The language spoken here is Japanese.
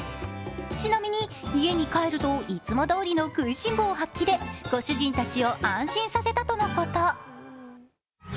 ちなみに家に帰ると、いつもどおりの食いしん坊発揮でご主人たちを安心させたとのこと。